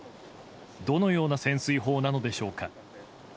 どのような潜水法なのでしょうか。